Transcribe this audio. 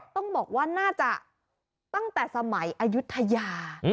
ต้องบอกว่าน่าจะตั้งแต่สมัยอายุทยา